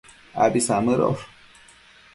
Abi samëdosh